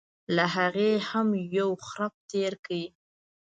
له هغې هم یو خرپ تېر کړي.